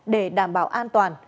để đảm bảo an toàn